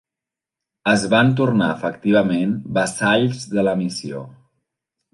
Es van tornar efectivament vassalls de la missió.